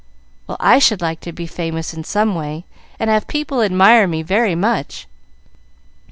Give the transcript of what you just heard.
"Well, I should like to be famous in some way, and have people admire me very much.